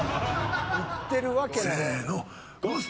いってるわけない。